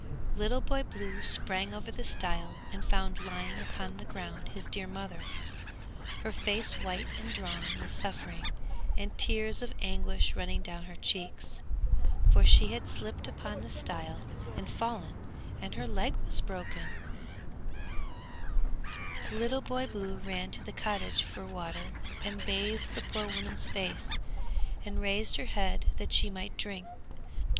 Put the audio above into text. Little Boy Blue sprang over the stile and found lying upon the ground his dear mother, her face white and drawn with suffering, and tears of anguish running down her cheeks. For she had slipped upon the stile and fallen, and her leg was broken! [Illustration: Little Boy Blue] Little Boy Blue ran to the cottage for water and bathed the poor woman's face, and raised her head that she might drink.